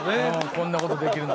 こんなことできるの。